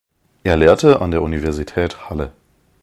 Er lehrte an der Universität Halle.